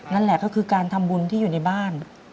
นั่นแหละก็คือการทำบุญที่อยู่ในบ้าน